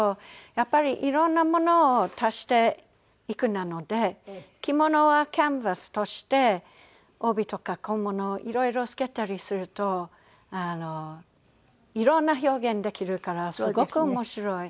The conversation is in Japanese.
やっぱり色んなものを足していくので着物はキャンバスとして帯とか小物を色々つけたりすると色んな表現できるからすごく面白い。